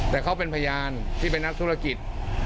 แต่เขาเป็นพยานที่เป็นนักธุรกิจ